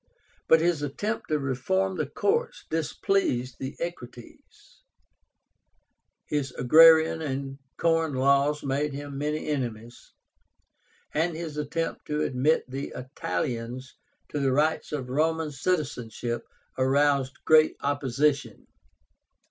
But his attempt to reform the courts displeased the Equites, his agrarian and corn laws made him many enemies, and his attempt to admit the Italians to the rights of Roman citizenship aroused great opposition.